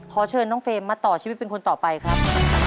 ขอเชิญน้องเฟรมมาต่อชีวิตเป็นคนต่อไปครับ